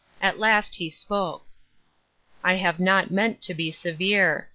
At last he spoke :—" I have not meant to be severe.